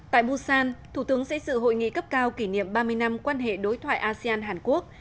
tại busan thủ tướng sẽ dự hội nghị cấp cao kỷ niệm ba mươi năm quan hệ đối thoại asean hàn quốc